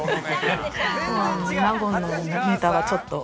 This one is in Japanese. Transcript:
納言のネタはちょっと。